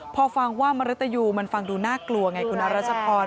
พอฟังว่ามริตยูมันฟังดูน่ากลัวไงคุณอรัชพร